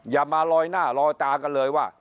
อย่ามาลอยหน้าลอยตากันเลยว่า